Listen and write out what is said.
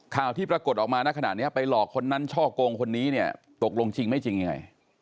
ข่าวที่ปรากฏออกมาณขณะนี้ไปหลอกคนนั้นช่อกงคนนี้เนี่ยตกลงจริงไม่จริงยังไง